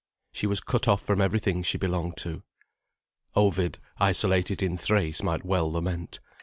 She was cut off from everything she belonged to. Ovid isolated in Thrace might well lament.